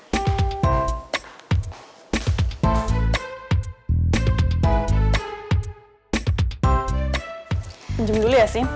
penjem dulu ya sin